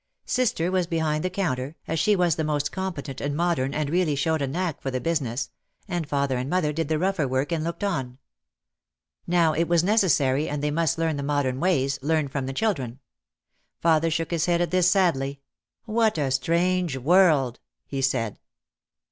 Sister was behind the counter, as she was the most competent and modem and really showed a knack for the business and father and mother did the rougher work and looked on. Now it was nec essary and they must learn the modern ways, learn from the children. Father shook his head at this sadly, "What a strange world !" he said.